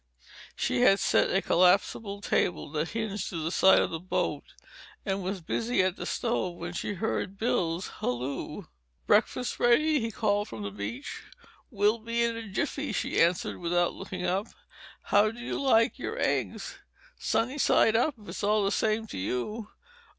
She had set a collapsible table that hinged to the side of the boat and was busy at the stove when she heard Bill's halloo. "Breakfast ready?" he called from the beach. "Will be in a jiffy," she answered without looking up. "How do you like your eggs?" "Sunny side up, if it's all the same to you."